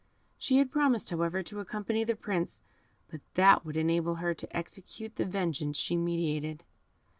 She had promised, however, to accompany the Prince; but that would enable her to execute the vengeance she meditated.